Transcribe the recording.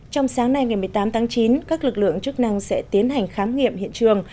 trong sáng nay ngày một mươi tám tháng chín các lực lượng chức năng sẽ tiến hành khám nghiệm hiện trường